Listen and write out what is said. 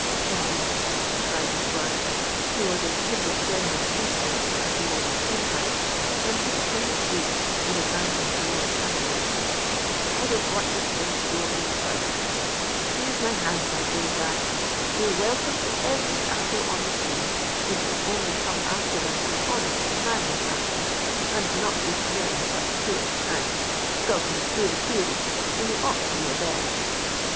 "Then," cried the squire, who was as quick of generous impulse as he was of temper, jumping from his seat and advancing toward Charlie, "I don't want this thing to go any further.—Here's my hand, my brave lad. You're welcome to every apple on the tree, if you'll only come after them in honest, manly fashion, and not be playing such foolish pranks, skulking through the fields when you ought to be abed.